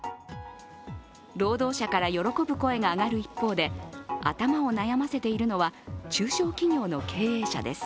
労働者から喜ぶ声が上がる一方で頭を悩ませているのは中小企業の経営者です。